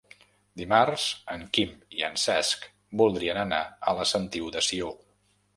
Dimarts en Quim i en Cesc voldrien anar a la Sentiu de Sió.